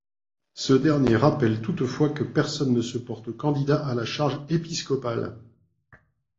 Ce dernier rappelle toutefois que personne ne se porte candidat à la charge épiscopale.